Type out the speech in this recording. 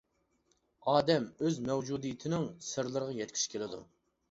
ئادەم ئۆز مەۋجۇدىيىتىنىڭ سىرلىرىغا يەتكۈسى كېلىدۇ.